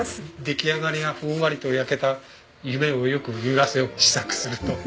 出来上がりがふんわりと焼けた夢をよく見ますよ試作すると。